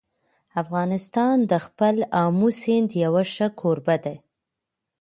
افغانستان د خپل آمو سیند یو ښه کوربه دی.